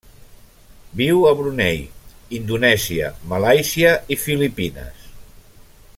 Viu a Brunei, Indonèsia, Malàisia i Filipines.